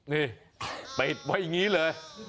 เนี่ยเพิ่งไว้แบบนี้เลย